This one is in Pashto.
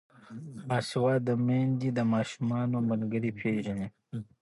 باسواده میندې د ماشومانو ملګري پیژني.